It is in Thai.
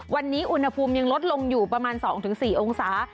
วันนี้อุณหภูมิยังลดลงอยู่ประมาณ๒๔องศา